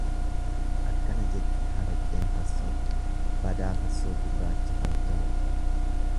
Akkana jette haraqeen farsoon badaa farsoo gurraacha faltoo!.